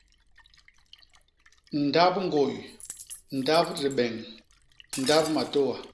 Ndap ñgôy, ndap dibeñ, ndap matôa.